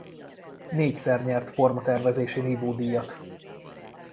Négyszer nyert formatervezési nívódíjat.